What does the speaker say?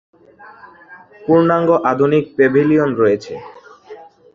পূর্ণাঙ্গ আধুনিক প্যাভিলিয়ন রয়েছে।